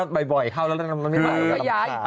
ต้องปล่อยเขาเรื่องรากองเรียงข้าอ่ะ